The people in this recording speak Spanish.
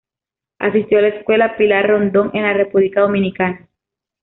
Asistió a la "Escuela Pilar Rondon" en la República Dominicana.